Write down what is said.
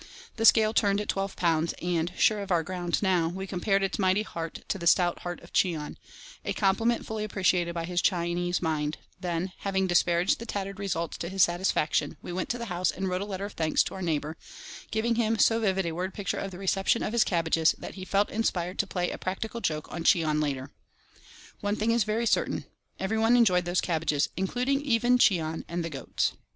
The scale turned at twelve pounds, and, sure of our ground now, we compared its mighty heart to the stout heart of Cheon—a compliment fully appreciated by his Chinese mind; then, having disparaged the tattered results to his satisfaction, we went to the house and wrote a letter of thanks to our neighbour, giving him so vivid a word picture of the reception of his cabbages that he felt inspired to play a practical joke on Cheon later on. One thing is very certain—everyone enjoyed those cabbages including even Cheon and the goats.